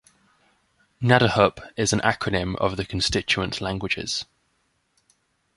"Nadahup" is an acronym of the constituent languages.